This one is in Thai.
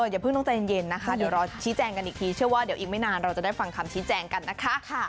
อย่าเพิ่งต้องใจเย็นนะคะเดี๋ยวรอชี้แจงกันอีกทีเชื่อว่าเดี๋ยวอีกไม่นานเราจะได้ฟังคำชี้แจงกันนะคะ